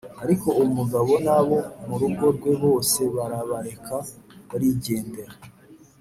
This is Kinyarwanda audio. ariko uwo mugabo n’abo mu rugo rwe bose barabareka barigendera.